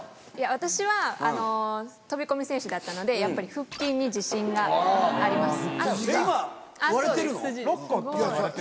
私は飛び込み選手だったのでやっぱり腹筋に自信があります。